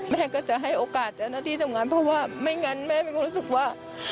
แม่ก็จะให้โอกาสนะที่ทำงานเพราะว่าไม่งั้นแม่ไม่คงรู้สึกว่า